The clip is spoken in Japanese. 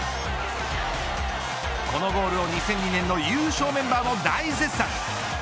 このボールを２００２年の優勝メンバーも大絶賛。